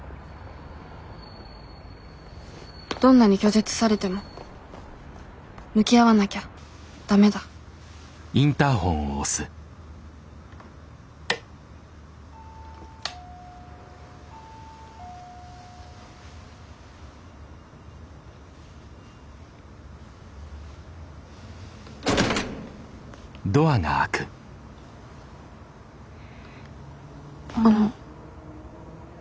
どんなに拒絶されても向き合わなきゃダメだあの。